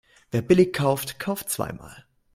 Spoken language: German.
Wer billig kauft, kauft zweimal.